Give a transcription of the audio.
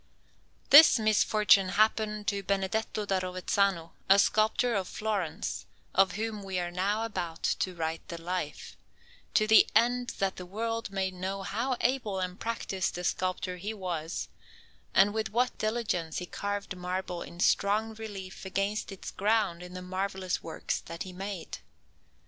This misfortune happened to Benedetto da Rovezzano, a sculptor of Florence, of whom we are now about to write the Life, to the end that the world may know how able and practised a sculptor he was, and with what diligence he carved marble in strong relief against its ground in the marvellous works that he made.